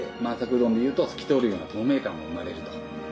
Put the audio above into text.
うどんでいうと透き通るような透明感が生まれると。